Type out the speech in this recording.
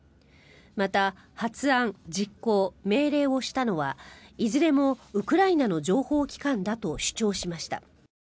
また発案、実行、命令をしたのはいずれもウクライナの情報機関だと主張しました。